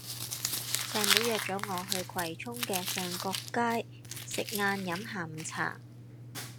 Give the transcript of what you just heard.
細妹約左我去葵涌嘅上角街食晏飲下午茶